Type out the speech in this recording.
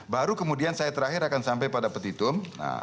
baru kemudian saya terakhir akan sampai pada petitum